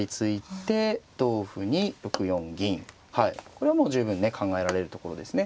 これはもう十分ね考えられるところですね。